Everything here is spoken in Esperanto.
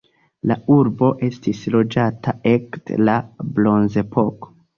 La urbo estis loĝata ekde la bronzepoko.